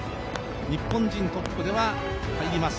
日本人トップでは、入ります。